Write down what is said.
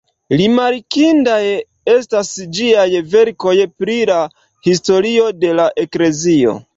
Rimarkindaj estas ĝiaj verkoj pri la historio de la Eklezio.